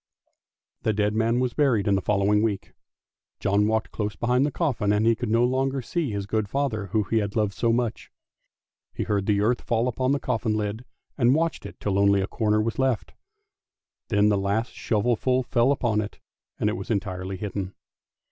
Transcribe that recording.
The dead man was buried in the following week ; John walked close behind the coffin, and he could no longer see his good father who had loved him so much. He heard the earth fall 365 366 ANDERSEN'S FAIRY TALES upon the coffin lid, and watched it till only a corner was left, and then the last shovelful fell upon it, and it was entirely hidden.